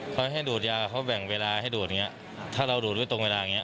พอให้ดูดยาเขาแบ่งเวลาให้ดูดถ้าเราดูดไว้ตรงเวลานี้